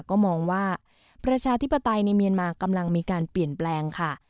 ก็มองว่าประชาธิปไตยในเมียนมากำลังมีการเปลี่ยนแปลงค่ะ